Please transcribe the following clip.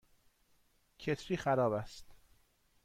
کتری خراب است.